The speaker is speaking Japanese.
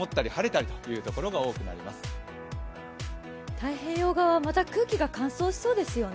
太平洋側は、また空気が乾燥しそうですよね。